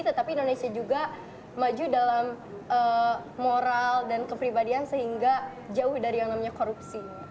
tetapi indonesia juga maju dalam moral dan kepribadian sehingga jauh dari yang namanya korupsi